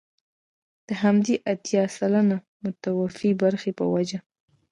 د همدغې اتيا سلنه متوفي برخې په وجه.